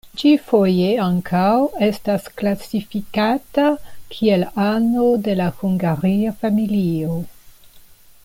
Ĝi foje ankaŭ estas klasifikata kiel ano de la Hungaria familio.